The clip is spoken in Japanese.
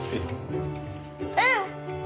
うん！